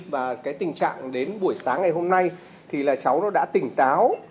và tình trạng đến buổi sáng ngày hôm nay cháu đã tỉnh táo